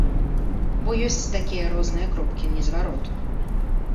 Бо ёсць такія розныя кропкі незвароту.